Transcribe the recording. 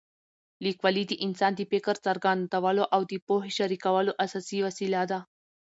لیکوالي د انسان د فکر څرګندولو او د پوهې شریکولو اساسي وسیله ده.